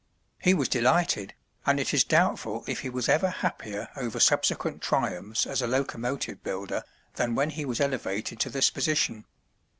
He was delighted, and it is doubtful if he was ever happier over subsequent triumphs as a locomotive builder, than when he was elevated to this position.